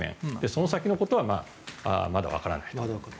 その先のことはまだわからないと。